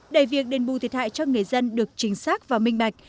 để việc đền bù thiệt hại cho người dân được chính xác và minh bạch